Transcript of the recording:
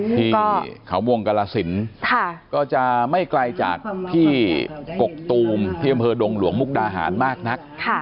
ที่เขาวงกรสินก็จะไม่ไกลจากที่กกตูมที่อำเภอดงหลวงมุกดาหารมากนัก